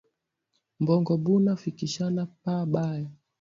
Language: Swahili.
Bongo buna fikishanaka pa baya